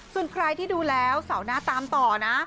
ส่วนใครที่ดูแล้วเสาร์หน้าตามต่อนะ